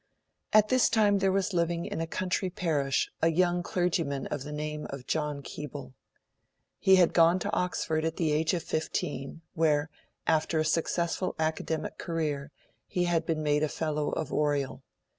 At this time, there was living in a country parish, a young clergyman of the name of John Keble. He had gone to Oxford at the age of fifteen, where, after a successful academic career, he had been made a Fellow of Oriel.